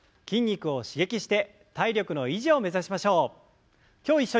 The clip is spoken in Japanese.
筋肉を刺激して体力の維持を目指しましょう。